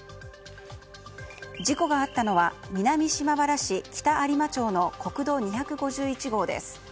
事故があったのは南島原市北有馬町の国道２５１号です。